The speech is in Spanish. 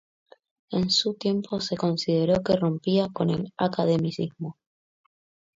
En su tiempo se consideró que rompía con el academicismo.